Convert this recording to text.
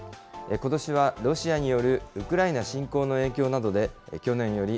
ことしはロシアによるウクライナ侵攻の影響などで、去年より３、２、１、０。